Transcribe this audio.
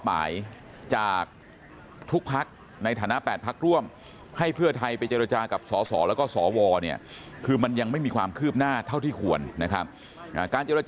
ที่การพักเผื่อไทยใช้แจ้งเรื่องนี้คือถ้าเป็นเรื่องเลื่อนการประชุมเมื่อวานนี้